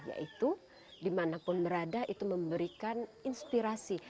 yaitu dimanapun berada itu memberikan inspirasi